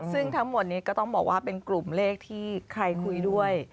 ซึ่งทั้งหมดนี้ก็ต้องบอกว่าเป็นกลุ่มเลขที่ใครคุยด้วย